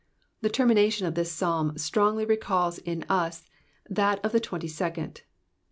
The termination of this Psalm strongly recalls in us that of the twenty second.